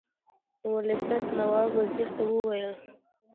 ورلسټ نواب وزیر ته وویل.